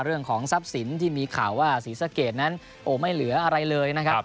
เรื่องของทรัพย์สินที่มีข่าวว่าศรีสะเกดนั้นโอ้ไม่เหลืออะไรเลยนะครับ